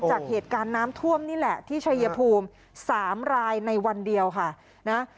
จากเหตุการณ์น้ำท่วมนี่แหละที่ชัยภูมิ๓รายในวันเดียวค่ะนะ